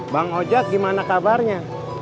bang rojak gimana kabarnya